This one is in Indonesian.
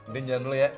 din jangan dulu ya